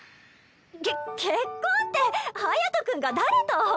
け結婚って隼君が誰と？